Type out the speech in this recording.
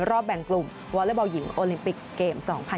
รอบแบ่งกลุ่มวอเล็กบอลหญิงโอลิมปิกเกม๒๐๑๖